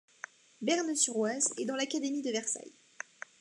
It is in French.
Bernes-sur-Oise est dans l'académie de Versailles.